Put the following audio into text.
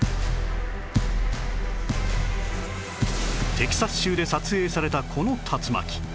テキサス州で撮影されたこの竜巻